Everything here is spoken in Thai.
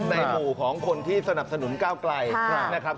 ในหมู่ของคนที่สนับสนุนก้าวไกลนะครับ